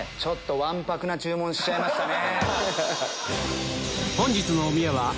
わんぱくな注文しちゃいましたね。